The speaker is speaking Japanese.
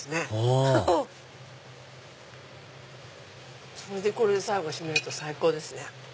ほぉこれで最後締めると最高ですね。